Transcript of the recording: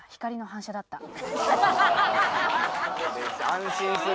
安心する。